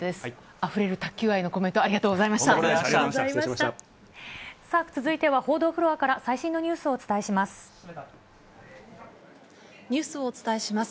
あふれる卓球愛のコメント、さあ、続いては報道フロアから最新のニュースをお伝えします。